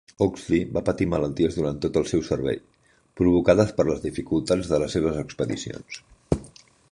Oxley va patir malalties durant tot el seu servei, provocades per les dificultats de les seves expedicions.